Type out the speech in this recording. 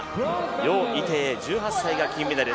余依テイ、１８歳が金メダル。